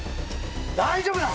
大丈夫だ。